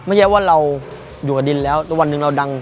ไม่ใช่ว่าเราอยู่กับดินแล้วแล้ววันหนึ่งเราดัง